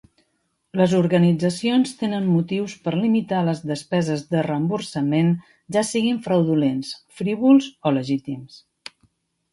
Les organitzacions tenen motius per limitar les despeses de reemborsament, ja siguin fraudulents, frívols o legítims.